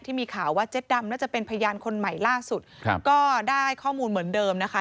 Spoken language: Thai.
ที่มีข่าวว่าเจ๊ดำน่าจะเป็นพยานคนใหม่ล่าสุด